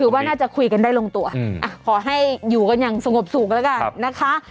ว่าน่าจะคุยกันได้ลงตัวขอให้อยู่กันอย่างสงบสุขแล้วกันนะคะ